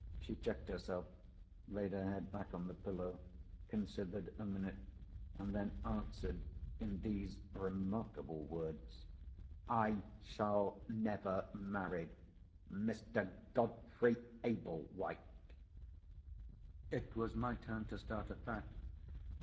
She checked herself—laid her head back on the pillow—considered a minute—and then answered in these remarkable words: "I shall never marry Mr. Godfrey Ablewhite." It was my turn to start at that.